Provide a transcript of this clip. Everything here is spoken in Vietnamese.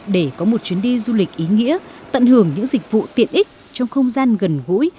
để có một chuyến đi du lịch ý nghĩa tận hưởng những dịch vụ tiện ích trong không gian gần gũi